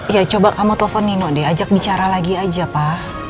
ya coba kamu telepon nino deh ajak bicara lagi aja pak